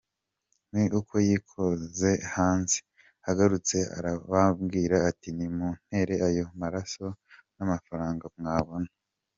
Ni uko yikoza hanze, agarutse arababwira ati "nimuntere ayo maraso nta mafaranga mwabona.